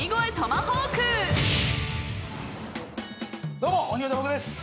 どうも鬼越トマホークです。